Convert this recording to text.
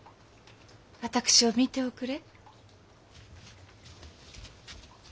私を見ておくれ。